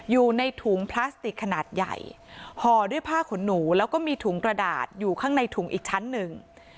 อยู่ในถุงพลาสติกขนาดใหญ่ห่อด้วยผ้าขนหนูแล้วก็มีถุงกระดาษอยู่ข้างในถุงอีกชั้นหนึ่ง